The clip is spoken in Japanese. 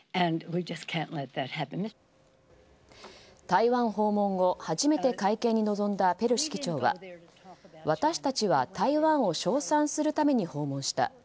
台湾訪問後、初めて会見に臨んだペロシ議長は私たちは台湾を称賛するために訪問した。